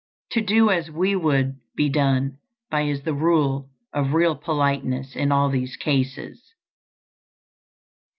To do as we would be done by is the rule of real politeness in all these cases.